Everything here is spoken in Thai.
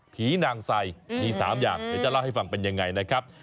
นางใส่มี๓อย่างเดี๋ยวจะเล่าให้ฟังเป็นยังไงนะครับ